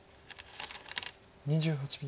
２８秒。